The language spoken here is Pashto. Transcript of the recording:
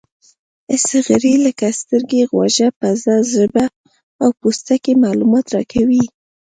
حسي غړي لکه سترګې، غوږ، پزه، ژبه او پوستکی معلومات راکوي.